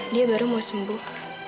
dia baru mau sembuh